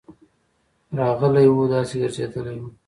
راغلی وو، داسي ګرځيدلی وو: